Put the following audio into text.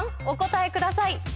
お答えください。